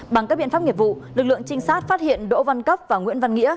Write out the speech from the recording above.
bằng các biện pháp nghiệp vụ lực lượng trinh sát phát hiện đỗ văn cấp và nguyễn văn nghĩa